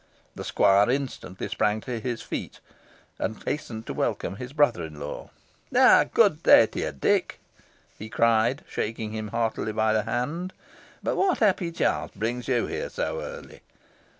The squire instantly sprang to his feet, and hastened to welcome his brother in law. "Ah! good day to you, Dick," he cried, shaking him heartily by the hand; "what happy chance brings you here so early?